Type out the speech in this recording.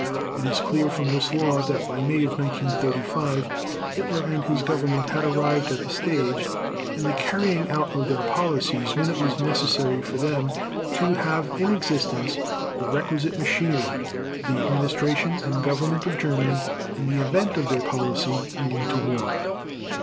It is clear from this law that by May of 1935 Hitler and his Government had arrived at the stage in the carrying out of their policies when it was necessary for them to have in existence the requisite machinery for the administration and government of Germany in the event of their policy leading to war.